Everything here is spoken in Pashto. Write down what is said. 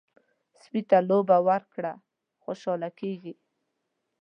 سپي ته لوبه ورکړه، خوشحاله کېږي.